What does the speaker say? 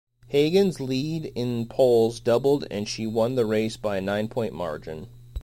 Hagan's lead in polls doubled and she won the race by a nine-point margin.